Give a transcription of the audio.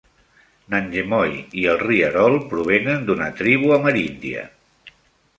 Nanjemoy i el rierol provenen d'una tribu ameríndia.